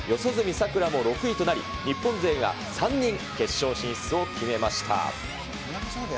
さくらも６位となり、日本勢が３人決勝進出を決めました。